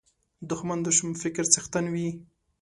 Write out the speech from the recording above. دښمن د شوم فکر څښتن وي